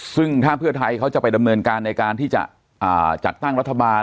ซึ่งถ้าเพื่อไทยเขาจะไปดำเนินการในการที่จะจัดตั้งรัฐบาล